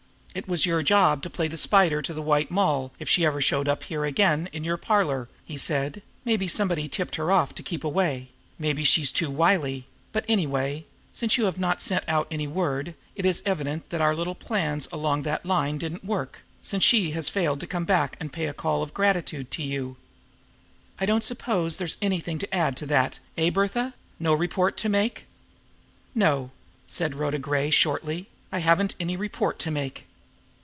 "It was your job to play the spider to the White Moll if she ever showed up again here in your parlor," he said. "Maybe somebody tipped her off to keep away, maybe she was too wily; but, anyway, since you have not sent out any word, it is evident that our little plans along that line didn't work, since she has failed to come back to pay a call of gratitude to you. I don't suppose there's anything to add to that, eh, Bertha? No report to make?" "No," said Rhoda Gray shortly. "I haven't any report to make."